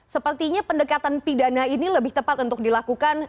sepertinya pendekatan pidana ini lebih tepat untuk dilakukan